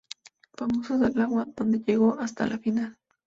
Famosos al agua", donde llegó hasta la final.